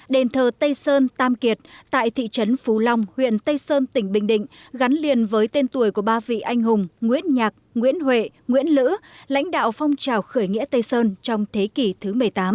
đền thờ tây sơn tam kiệt tại thị trấn phú long huyện tây sơn tỉnh bình định gắn liền với tên tuổi của ba vị anh hùng nguyễn nhạc nguyễn huệ nguyễn lữ lãnh đạo phong trào khởi nghĩa tây sơn trong thế kỷ thứ một mươi tám